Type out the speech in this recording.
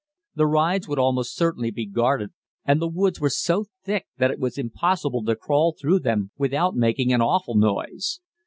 The rides would almost certainly be guarded, and the woods were so thick that it was impossible to crawl through them without making an awful noise.